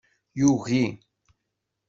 Yugi.